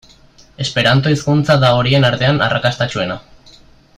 Esperanto hizkuntza da horien artean arrakastatsuena.